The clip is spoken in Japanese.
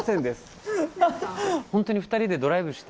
ホントに２人でドライブして。